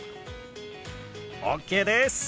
ＯＫです！